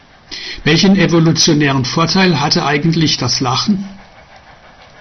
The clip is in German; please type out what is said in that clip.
Welchen evolutionären Vorteil hatte eigentlich das Lachen?